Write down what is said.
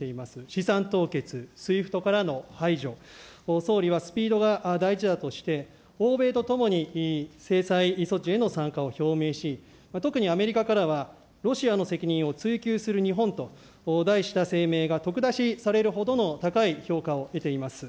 資産凍結、ＳＷＩＦＴからの排除、総理はスピードが大事だとして、欧米とともに制裁措置への参加を表明し、特にアメリカからは、ロシアの責任を追及する日本と題した声明がとくだしされるほどの高い評価を得ています。